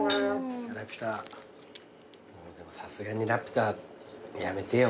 もうでもさすがに『ラピュタ』やめてよ